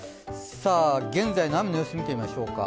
現在の雨の様子、見てみましょうか。